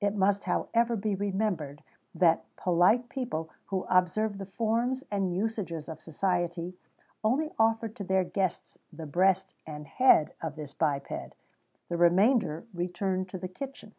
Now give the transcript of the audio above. [XVII 45] It must, however, be remembered that polite people, who observed the forms and usages of society, only offered to their guests the breast and head of this biped; the remainder returned to the kitchen.